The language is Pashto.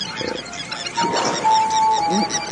ډېر زیات خواړه د معدې لخوا په اسانۍ سره نه هضم کېږي.